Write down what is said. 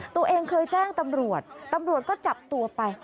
ตัวเองเคยแจ้งตำรวจตำรวจก็จับตัวไป